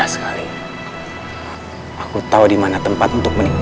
seorang anak lelaki